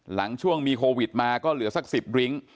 หลังช่วงมีโควิดมาก็เหลือสัก๑๐ริ้ง